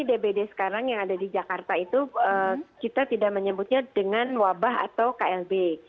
jadi dbd sekarang yang ada di jakarta itu kita tidak menyebutnya dengan wabah atau klb